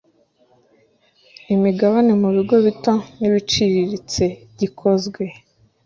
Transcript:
imigabane mu bigo bito n ibiciriritse gikozwe